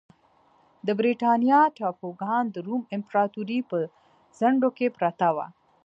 د برېټانیا ټاپوګان د روم امپراتورۍ په څنډو کې پراته وو